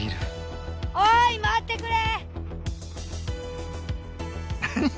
おい待ってくれ！